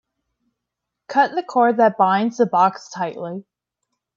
Cut the cord that binds the box tightly.